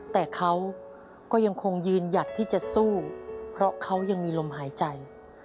แต่เขาก็ยังคงยืนหยัดที่จะสู้เพราะเขายังมีลมหายใจ